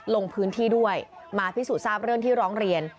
ลงพื้นที่ด้วยมาพิสูจน์ทราบเรื่องที่ร้องเรียน